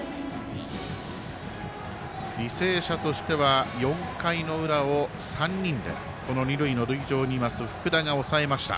履正社としては、４回の裏を３人で、この二塁の塁上にいます福田が抑えました。